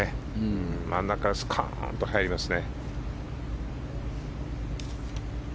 真ん中にスコーンと入りますね。